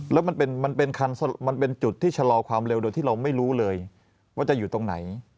แล้วมันเป็นจุดที่ชะลอความเร็วโดยที่เราไม่รู้เลยว่าจะอยู่ตรงไหน